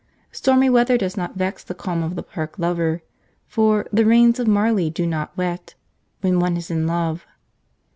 Stormy weather does not vex the calm of the Park Lover, for 'the rains of Marly do not wet' when one is in love.